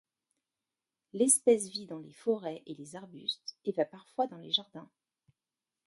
L'espèce vit dans les forêts et les arbustes et va parfois dans les jardins.